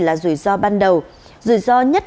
là rủi ro ban đầu rủi ro nhất